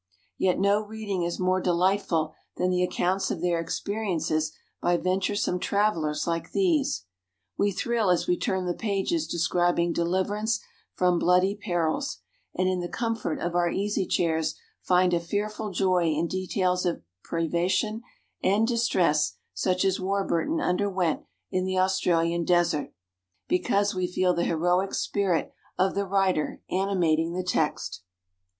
Yet no reading is more delightful than the accounts of their experiences by venturesome travelers like these. We thrill as we turn the pages describing deliverance from bloody perils; and in the comfort of our easy chairs find a fearful joy in details of privation and distress such as Warburton underwent in the Australian desert, because we feel the heroic spirit of the writer animating the text.